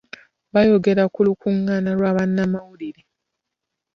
Bayogera ku lukungaana lwa bannamawulire .